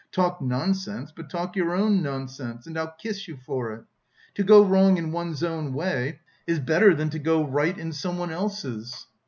Talk nonsense, but talk your own nonsense, and I'll kiss you for it. To go wrong in one's own way is better than to go right in someone else's.